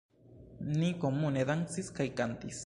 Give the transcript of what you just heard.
Ni komune dancis kaj kantis.